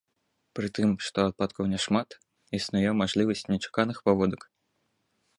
Пры тым што ападкаў няшмат, існуе мажлівасць нечаканых паводак.